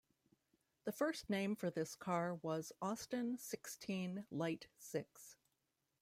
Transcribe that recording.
The first name for this car was Austin Sixteen Light Six.